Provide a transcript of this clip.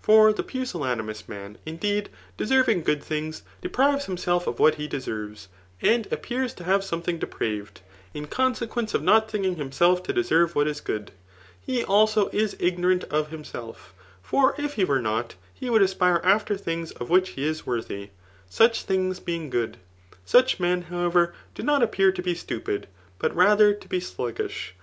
For the pusillanimous man, indeed, deserv* ing good things, dq>rives himself of what he deserves; and appears to have something depraved, in consequence of not thinking himself to deserve what is good. He, also, is ignorant of himself ; for if he were not, he would aspire after things of which he is worthy, such things bdng good. Such men, however, do not appear to be stU{Hd, but rather to be sluggish.